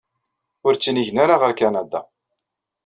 Ur ttinigen ara ɣer Kanada.